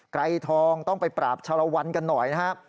ไกรทองต้องไปปราบชาวละวันกันหน่อยนะครับ